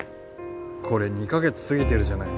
これ２か月過ぎてるじゃない。